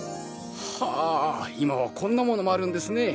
はあ今はこんなものもあるんですねえ！